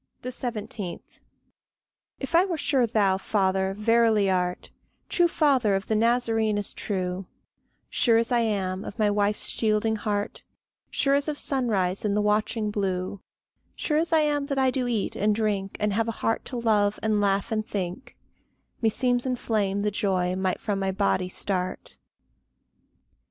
17. If I were sure thou, Father, verily art, True father of the Nazarene as true, Sure as I am of my wife's shielding heart, Sure as of sunrise in the watching blue, Sure as I am that I do eat and drink, And have a heart to love and laugh and think, Meseems in flame the joy might from my body start.